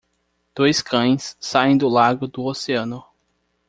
Dois cães saem do lago do oceano.